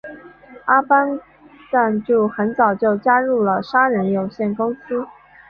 阿班旦杜很早就加入了杀人有限公司。